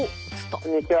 こんにちは。